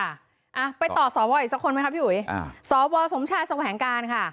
อ่ะไปตอบสอบวอลอีกสักคนไหมครับพี่หุยอ่าสอบวอลสมชาติสวัสดิ์แห่งการค่ะ